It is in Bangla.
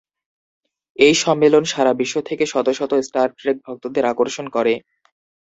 এই সম্মেলন সারা বিশ্ব থেকে শত শত "স্টার ট্রেক" ভক্তদের আকর্ষণ করে।